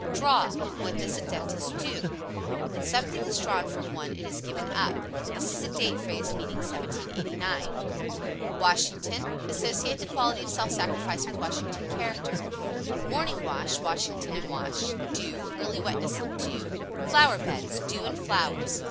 Draw What does a dentist do? (To give up) When something is drawn from one it is given up. This is a date phrase meaning 1789. WASHINGTON. Associate the quality of self sacrifice with Washington's character. Morning wash Washington and wash. Dew Early wetness and dew. Flower beds Dew and flowers.